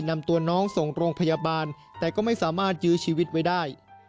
นำตัวน้องส่งโรงพยาบาลแต่ก็ไม่สามารถยื้อชีวิตไว้ได้